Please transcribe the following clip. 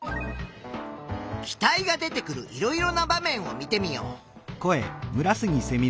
気体が出てくるいろいろな場面を見てみよう。